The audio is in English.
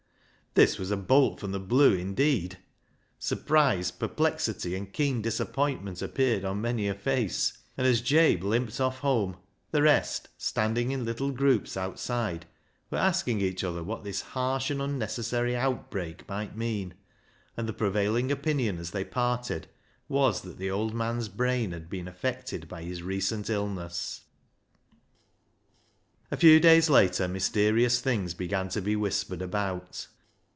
This was a bolt from the blue indeed. Surprise, perplexity, and keen disappointment appeared on many a face ; and as Jabe limped off home, the rest, standing in little groups out side, were asking each other what this harsh and unnecessary outbreak might mean, and the prevailing opinion as they parted was that the old man's brain had been affected by his recent illness. A few days later mysterious things began to be whispered about.